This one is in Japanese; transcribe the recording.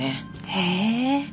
へえ。